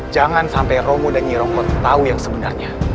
jangan sampai romo dan yromo tahu yang sebenarnya